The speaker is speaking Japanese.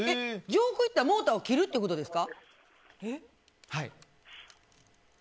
上空行ったらモーター切るってことですか？